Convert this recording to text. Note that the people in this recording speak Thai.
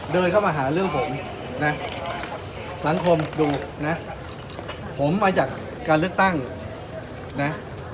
เดินเข้ามาหาเรื่องผมนะสังคมดูนะผมมาจากการเลือกตั้งนะ